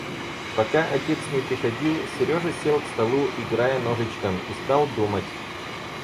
Пока отец не приходил, Сережа сел к столу, играя ножичком, и стал думать.